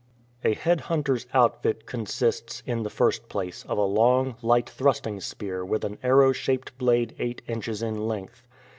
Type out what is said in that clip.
A head hunter''s outfit consists, in the first place, of a long, light thrusting spear with an arrow shaped blade eight inches in length.